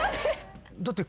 だって。